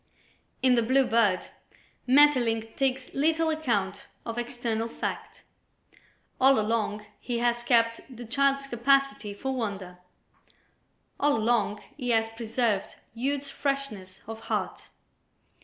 In "The Blue Bird" Maeterlinck takes little account of external fact. All along he has kept the child's capacity for wonder; all along he has preserved youth's freshness of heart.